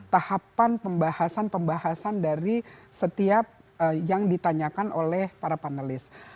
tahapan pembahasan pembahasan dari setiap yang ditanyakan oleh para panelis